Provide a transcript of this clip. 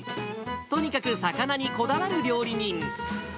とにかく魚にこだわる料理人。